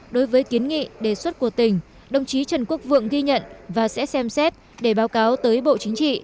đối với kiến nghị đề xuất của tỉnh đồng chí trần quốc vượng ghi nhận và sẽ xem xét để báo cáo tới bộ chính trị